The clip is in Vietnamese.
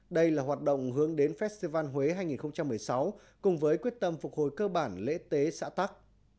đây là hoạt động hướng đến festival huế hai nghìn một mươi sáu cùng với quyết tâm phục hồi cơ bản lễ tế xã tắc